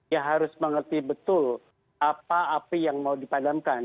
ya harus mengerti betul apa api yang mau dipadamkan